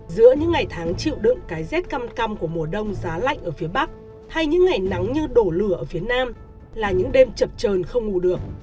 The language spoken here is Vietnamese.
giữa những ngày tháng chịu đựng cái rét căm căm của mùa đông giá lạnh ở phía bắc hay những ngày nắng như đổ lửa ở phía nam là những đêm chập trờn không ngủ được